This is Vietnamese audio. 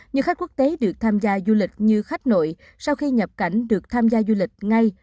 nhiều khách quốc tế được tham gia du lịch như khách nội sau khi nhập cảnh được tham gia du lịch ngay